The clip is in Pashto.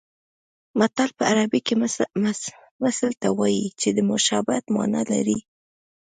متل په عربي کې مثل ته وایي چې د مشابهت مانا لري